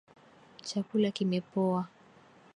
Chakula kimepoa.